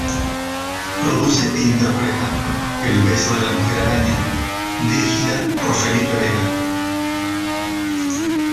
Produce e interpreta "El beso de la Mujer Araña", dirigida por Felipe Vega.